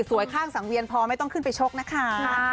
ข้างสังเวียนพอไม่ต้องขึ้นไปชกนะคะ